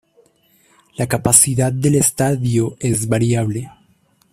La capacidad del estadio es variable.